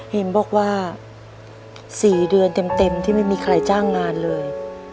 เห็นบอกว่า๔เดือนเต็มที่ไม่มีใครจ้างงานเลย